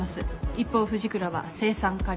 一方藤倉は青酸カリを。